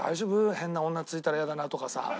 変な女ついたらイヤだな」とかさ。